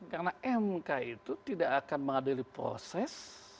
karena mk itu tidak akan mengadili proses